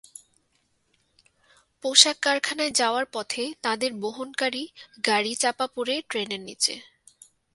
পোশাক কারখানায় যাওয়ার পথে তাঁদের বহনকারী গাড়ি চাপা পড়ে ট্রেনের নিচে।